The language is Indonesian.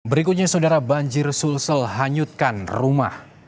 berikutnya saudara banjir sulsel hanyutkan rumah